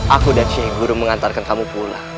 aku dan sheikh guru mengantarkan kamu pulang